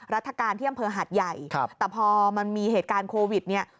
รัฐกาลที่อำเภอหาดใหญ่แต่พอมันมีเหตุการณ์โควิดเนี่ย